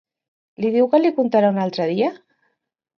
Li diu que li contarà un altre dia?